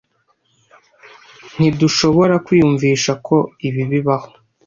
Ntidushoborakwiyumvisha ko ibi bibaho.